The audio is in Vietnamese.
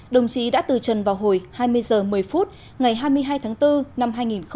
đồng chí đã từ trần vào hồi hai mươi h một mươi phút ngày hai mươi hai tháng bốn năm hai nghìn hai mươi